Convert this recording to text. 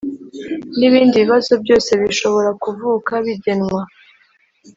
n ibindi bibazo byose bishobora kuvuka bigenwa